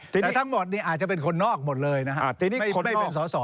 แต่ทั้งหมดนี้อาจจะเป็นคนนอกหมดเลยไม่เป็นสอสอ